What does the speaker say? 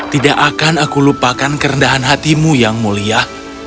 tidak akan aku lupakan kerendahan hatimu yang mulia